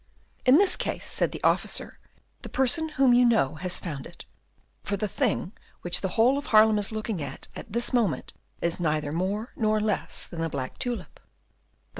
"In this case," said the officer, "the person whom you know has found it, for the thing which the whole of Haarlem is looking at at this moment is neither more nor less than the black tulip."